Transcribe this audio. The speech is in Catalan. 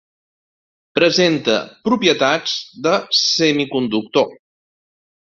Presenta propietats de semiconductor.